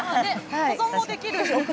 保存もできるので。